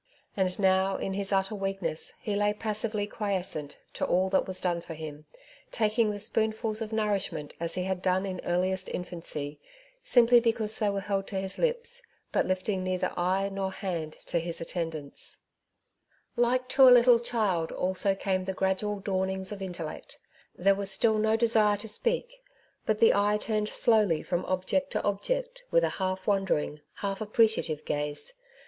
And now in his utter weakness he lay passively quiescent to all that was done for him, taking the spoonsful of nourishment as he had done in earliest infancy, simply because they were held to his lips, but lifting neither eye nor hand to his attendants. Saved as by Fire, 219 Like to a little child also came the gradual dawn ings of intellect. There was still no desire to speak ; but the eye turned slowly from object to object with a half wondering, half appreciative gaze.